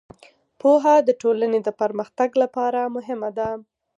پوهه د ټولنې د پرمختګ لپاره مهمه ده.